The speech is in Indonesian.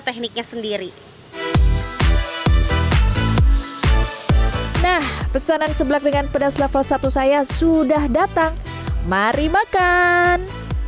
tekniknya sendiri nah pesanan seblak dengan pedas level satu saya sudah datang mari makan